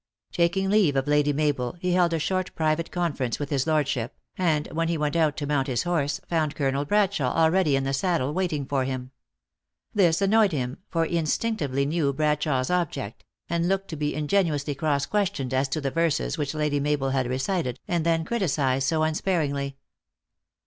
Taking leave of Lady Mabel, he held a short private conference with his lordship, and, when he went out to mount his horse, found Colonel Ifradshawe already in the saddle, waiting for him. This annoyed him, for he in stinctively knew Bradshawe s object, and looked to THE ACTRESS IN HIGH LIFE. 317 be ingeniously cross questioned as to the verses which Lady Mabel had recited, and then criticised so un sparingly.